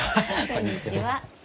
こんにちは。